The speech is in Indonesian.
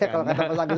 kalau kata mas angguj